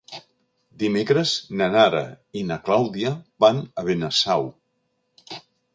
Dimecres na Nara i na Clàudia van a Benasau.